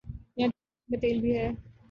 یہاں کی زمین میں تیل بھی ہے